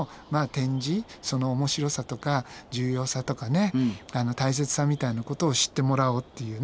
その面白さとか重要さとかね大切さみたいなことを知ってもらおうっていうね